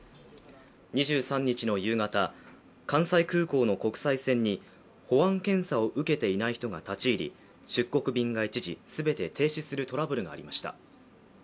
２３日の夕方、関西空港の国際線に保安検査を受けていない人が立ち入り出国便が一時全て停止するトラブルがありました。